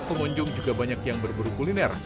pengunjung juga banyak yang berburu kuliner